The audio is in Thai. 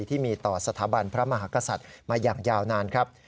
ที่มีต่อสถาบันพระมหากษัตริย์มาอย่างยาวนานครับ